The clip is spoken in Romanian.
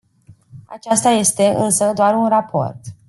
Acesta este, însă, doar un raport.